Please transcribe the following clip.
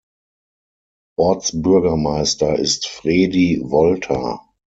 Ortsbürgermeister ist Fredi Wolter.